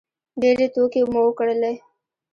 ډېرې ټوکې مو وکړلې.